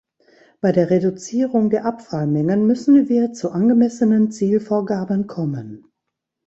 Bei der Reduzierung der Abfallmengen müssen wir zu angemessenen Zielvorgaben kommen.